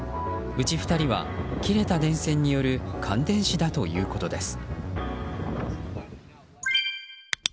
うち２人は切れた電線による感電死だということです。